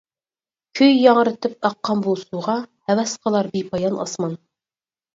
كۈي ياڭرىتىپ ئاققان بۇ سۇغا، ھەۋەس قىلار بىپايان ئاسمان.